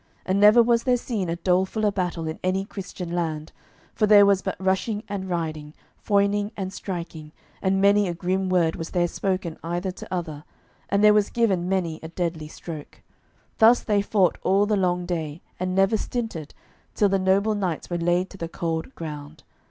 And never was there seen a dolefuller battle in any Christian land, for there was but rushing and riding, foining, and striking, and many a grim word was there spoken either to other, and there was given many a deadly stroke. Thus they fought all the long day, and never stinted, till the noble knights were laid to the cold ground.